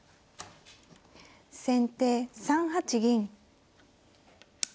先手３八銀。